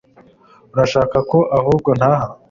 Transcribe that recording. urashaka ko ahubwo ntaha